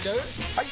・はい！